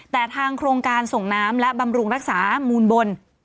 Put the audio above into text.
แต่ทางโครงการส่งน้ำและบำรุงรักษามูลบน